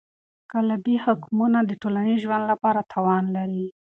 قالبي حکمونه د ټولنیز ژوند لپاره تاوان لري.